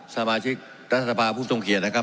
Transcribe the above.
สมาชิกรัฐภาพ์ผู้ตรงเกียรตินะครับ